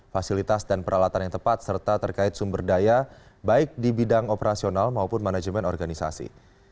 fasilitas dan peralatan yang tepat serta terkait sumber daya baik di bidang operasional maupun manajemen organisasi